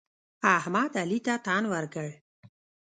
احمد؛ علي ته تن ورکړ.